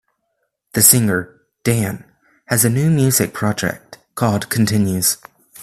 The singer, Dan, has a new music project called "Continues".